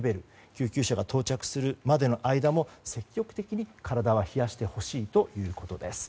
救急車が到着するまでの間も積極的に体は冷やしてほしいということです。